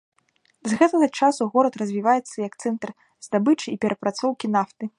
З гэтага часу горад развіваецца як цэнтр здабычы і перапрацоўкі нафты.